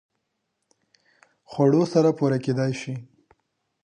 خوړو سره پوره کېدای شي